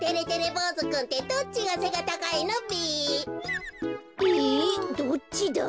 ぼうずくんってどっちがせがたかいのべ？えっどっちだろ？